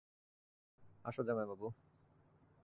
আসো জামাই বাবু।